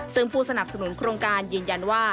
ซึ่งผู้สนับสนุนโครงการยืนยันว่า